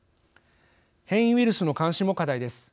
変異ウイルスの監視も課題です。